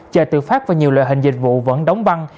chợ tự phát và nhiều loại hình dịch vụ vẫn đóng băng